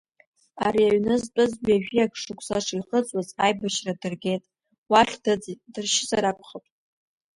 Ари аҩны зтәыз ҩажәи акы шықәса шихыҵуаз аибашьра дыргеит, уахь дыӡит, дыршьызар акәхап.